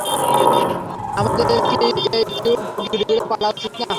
আমাদের কি এই কিউট গিরগিটিগুলো পালা উচিত না?